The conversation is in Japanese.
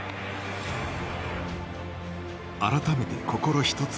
改めて心一つに。